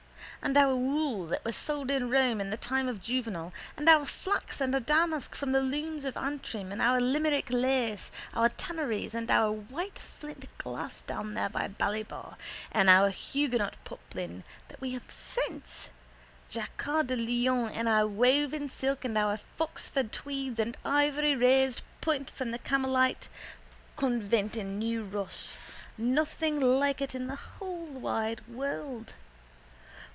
And our wool that was sold in Rome in the time of Juvenal and our flax and our damask from the looms of Antrim and our Limerick lace, our tanneries and our white flint glass down there by Ballybough and our Huguenot poplin that we have since Jacquard de Lyon and our woven silk and our Foxford tweeds and ivory raised point from the Carmelite convent in New Ross, nothing like it in the whole wide world.